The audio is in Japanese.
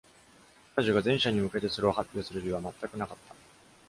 彼女が全社に向けてそれを発表する理由は全くなかった。